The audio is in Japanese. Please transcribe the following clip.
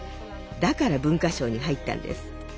だから文化省に入ったんです。